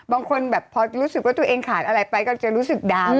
บางคนแบบพอรู้สึกว่าตัวเองขาดอะไรไปก็จะรู้สึกดาว